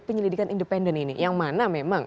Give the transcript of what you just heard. penyelidikan independen ini yang mana memang